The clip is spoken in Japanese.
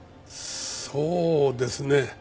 そうですね。